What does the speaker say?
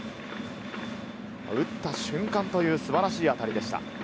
打った瞬間という素晴らしい当たりでした。